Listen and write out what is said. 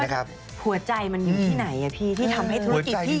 หัวใจมันยุ่งที่ไหนอะพี่